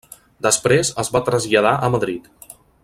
Després es va traslladar a Madrid.